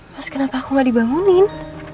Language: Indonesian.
pas kenapa aku gak dibangunin